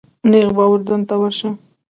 نیغ به اردن ته ورشم.